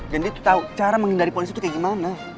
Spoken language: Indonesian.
dan dia tuh tau cara menghindari polisi tuh kayak gimana